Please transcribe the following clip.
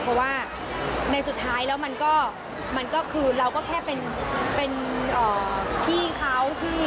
เพราะว่าในสุดท้ายแล้วมันก็คือเราก็แค่เป็นพี่เขาที่